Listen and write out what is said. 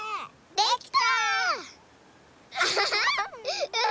できた！